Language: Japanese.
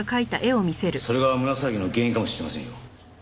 それが胸騒ぎの原因かもしれませんよ。